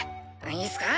いいっすか？